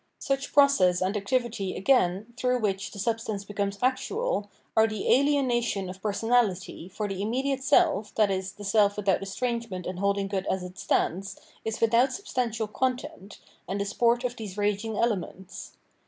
Such process and activity again, through which the substance becomes actual, are the ahenation of personality, for the immediate self, i.e. the self without estrangement and holding good as it stands, is without substantial content, and the sport of these raging elements.